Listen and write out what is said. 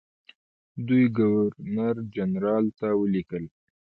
دوی ګورنرجنرال ته ولیکل.